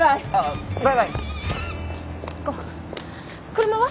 車は？